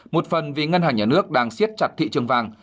một phần vì ngân hàng nhà nước đang siết chặt thị trường vàng